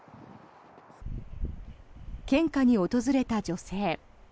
献花に訪れた女性。